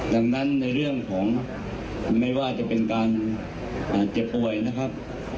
ดังนั้นในเรื่องของไม่ว่าจะเป็นการเจ็บป่วยนะครับ